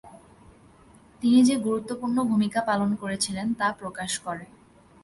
তিনি যে গুরুত্বপূর্ণ ভূমিকা পালন করেছিলেন তা প্রকাশ করে।